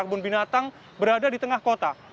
kebun binatang berada di tengah kota